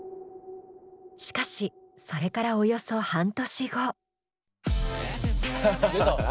しかしそれからおよそ半年後。